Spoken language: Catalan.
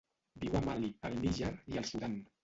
Viu a Mali, el Níger i el Sudan.